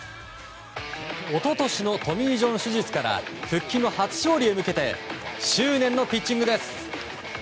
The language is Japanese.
一昨年のトミー・ジョン手術から復帰後初勝利へ向けて執念のピッチングです。